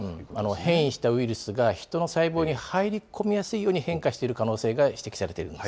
変異したウイルスがヒトの細胞に入り込みやすいように変化している可能性が指摘されているんです。